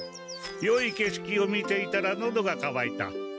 よいけしきを見ていたらのどがかわいた。